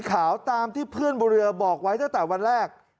ขาวตามที่เพื่อนบนเรือบอกไว้ตั้งแต่วันแรก